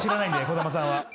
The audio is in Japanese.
児玉さんは。